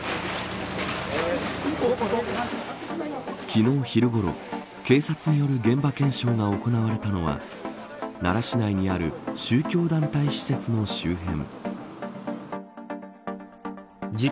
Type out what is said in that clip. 昨日昼ごろ警察による現場検証が行われたのは奈良市内にある宗教団体施設の周辺。